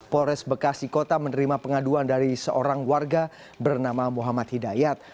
polres bekasi kota menerima pengaduan dari seorang warga bernama muhammad hidayat